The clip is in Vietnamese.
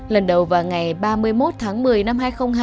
lần đầu vào ngày ba mươi một tháng một mươi năm hai nghìn hai mươi